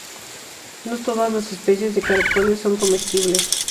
No todas las especies de caracoles son comestibles.